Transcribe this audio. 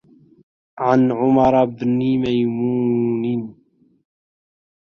عَنْ عُمَرَ بْنِ مَيْمُونٍ